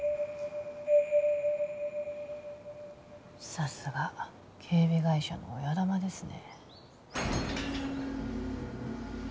さすが警備会社の親玉ですね